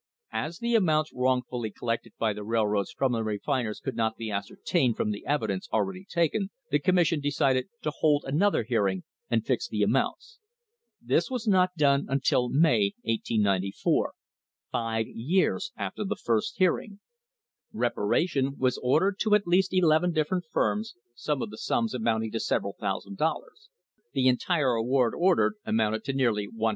As the amounts THE HISTORY OF THE STANDARD OIL COMPANY wrongfully collected by the railroads from the refiners could not be ascertained from the evidence already taken, the Com mission decided to hold another hearing and fix the amounts. This was not done until May, 1894, five years after the first hearing. Reparation was ordered to at least eleven different firms, some of the sums amounting to several thousand dollars ; the entire award ordered amounted to nearly $100,000.